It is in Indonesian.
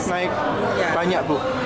naik banyak bu